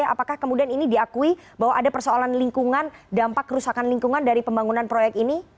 apakah kemudian ini diakui bahwa ada persoalan lingkungan dampak kerusakan lingkungan dari pembangunan proyek ini